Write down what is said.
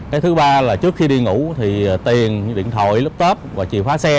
cái thứ ba là trước khi đi ngủ thì tiền điện thoại laptop và chìa khóa xe